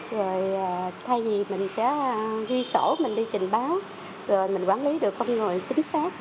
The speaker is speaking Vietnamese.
rồi thay vì mình sẽ ghi sổ mình đi trình báo rồi mình quản lý được con người chính xác